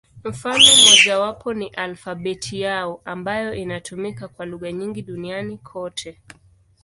Mfano mmojawapo ni alfabeti yao, ambayo inatumika kwa lugha nyingi duniani kote.